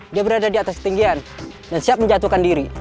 dia berada di atas ketinggian dan siap menjatuhkan diri